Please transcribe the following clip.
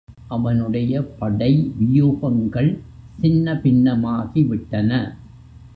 அவனுடைய படை வியூகங்கள் சின்ன பின்னமாகிவிட்டன.